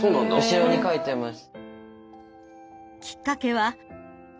後ろに書いてます。